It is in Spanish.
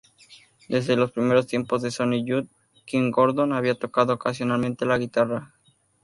Desde los primeros tiempos de Sonic Youth, Kim Gordon había tocado ocasionalmente la guitarra.